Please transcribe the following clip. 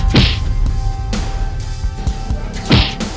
ya ampun ya ampun